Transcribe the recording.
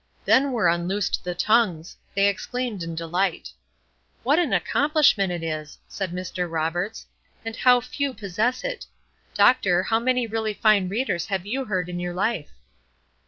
Then were unloosed the tongues! They exclaimed in delight: "What an accomplishment it is!" said Mr. Roberts; "and how few possess it. Doctor, how many really fine readers have you heard in your life?"